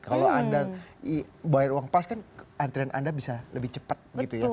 kalau anda bayar uang pas kan antrian anda bisa lebih cepat gitu ya